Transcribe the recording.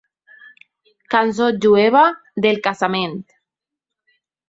Cançó jueva del casament.